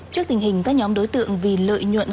trước tình hình các nhóm đối tượng vì lợi nhuận